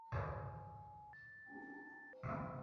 আজকের সব flight cancel তোমার।